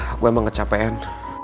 aku emang kecapean